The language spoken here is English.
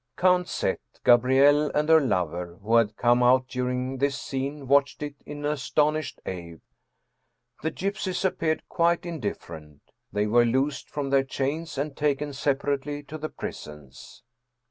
" Count Z., Gabrielle, and her lover, who had come out during this scene, watched it in astonished awe. The gypsies appeared quite indifferent. They were loosed from their chains and taken separately to the prisons.